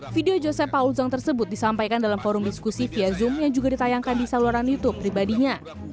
video joseph paul zon tersebut disampaikan dalam forum diskusi via zoom yang juga ditayangkan di saluran youtube pribadinya